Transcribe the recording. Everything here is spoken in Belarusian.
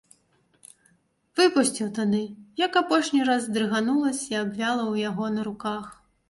Выпусціў тады, як апошні раз здрыганулася і абвяла ў яго на руках.